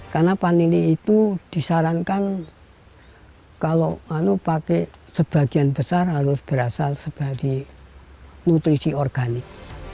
karena vanili itu disarankan kalau pakai sebagian besar harus berasal dari nutrisi organik